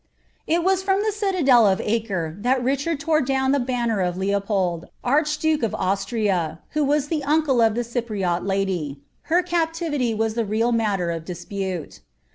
It was from the citaiM of Acre thai Kichard liire i)i>wn the banner ol Leo)>o1d, archduke of Austria, wlio was Lhe uncle of the Cy{mM bilf. ' Her caplivitv was the real mutter of dispute.